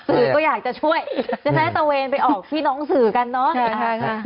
สื่อก็อยากจะช่วยจะให้ตะเวนไปออกพี่น้องสื่อกันเนอะใช่ค่ะค่ะ